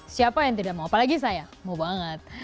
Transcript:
siapa yang tidak mau apalagi saya mau banget